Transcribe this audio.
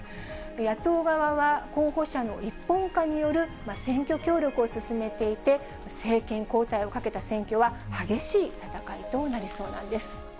野党側は、候補者の一本化による選挙協力を進めていて、政権交代をかけた選挙は激しい戦いとなりそうなんです。